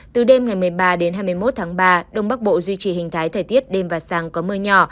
từ đêm ngày một mươi ba đến hai mươi một tháng ba đông bắc bộ duy trì hình thái thời tiết đêm và sáng có mưa nhỏ